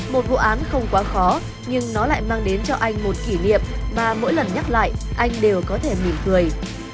một vụ án không quá khó nhưng nó lại mang đến cho anh một kỷ niệm và mỗi lần nhắc lại anh đều có thể mỉm cười